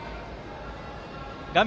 画面